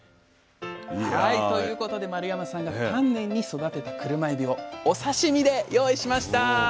ということで丸山さんが丹念に育てたクルマエビをお刺身で用意しました。